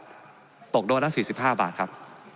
ล็อตแรกแล้วล็อตที่สองนะครับตกโดนละสี่สิบห้าบาทครับ